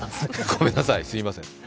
ごめんなさい、すいません。